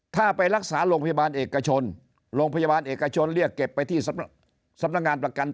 ถ้าไปรักษาโรงพยาบาลเอกชนโรงพยาบาลเอกชนเรียกเก็บไปที่สำนักงานประกัน